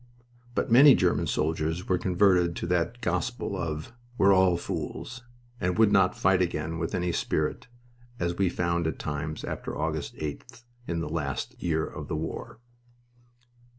But many German soldiers were converted to that gospel of "We're all fools!" and would not fight again with any spirit, as we found at times, after August 8th, in the last year of war.